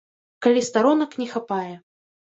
Калі старонак не хапае.